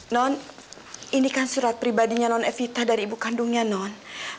non ini kan surat pribadinya non evita dari ibu kandungnya non